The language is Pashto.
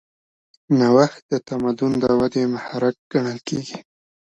نوښت د تمدن د ودې محرک ګڼل کېږي.